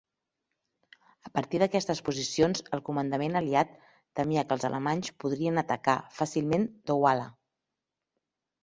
A partir d'aquestes posicions, el comandament aliat temia que els alemanys podrien atacar fàcilment Douala.